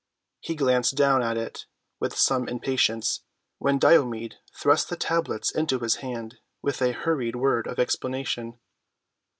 He glanced down at it with some impatience, when Diomed thrust the tablets into his hand with a hurried word of explanation.